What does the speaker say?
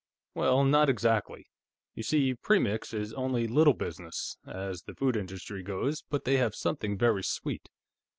"Well, not exactly. You see, Premix is only Little Business, as the foods industry goes, but they have something very sweet.